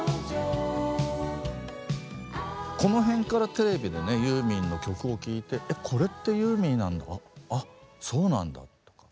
この辺からテレビでねユーミンの曲を聴いてえこれってユーミンなんだあそうなんだとか。